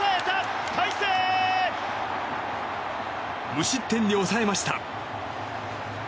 無失点に抑えました。